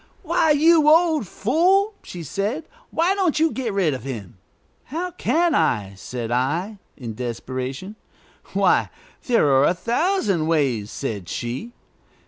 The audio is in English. "Why, you old fool!" she said; "why don't you get rid of him?" "How can I?" said I, in desperation. "Why, there are a thousand ways," said she.